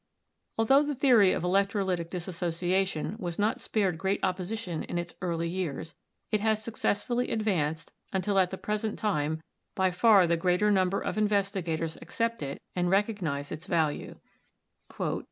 Altho the theory of electrolytic dissociation was not spared great opposition in its early years, it has successfully ad vanced until at the present time by far the greater num ber of investigators accept it and recognise its value.